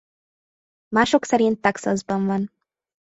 Mások szerint Texasban van.